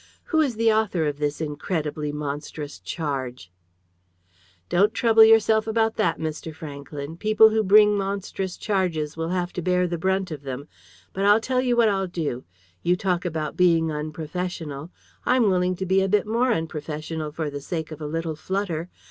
Who is the author of this incredibly monstrous charge?" "Don't you trouble yourself about that, Mr. Franklyn. People who bring monstrous charges will have to bear the brunt of them. But I tell you what I'll do. You talk about being unprofessional. I'm willing to be a bit more unprofessional for the sake of a little flutter.